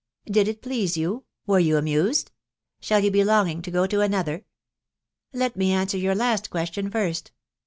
Did it please you* .... Were you aamsed ?—... ..«a4H you be longing to 30 to another ?" Let me answer your last question ftrtt